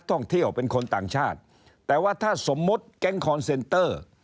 ท่องเที่ยวเป็นคนต่างชาติแต่ว่าถ้าสมมุติแก๊งคอนเซนเตอร์